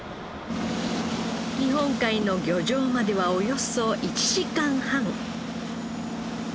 日本海の漁場まではおよそ１時間半。